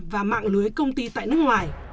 và mạng lưới công ty tại nước ngoài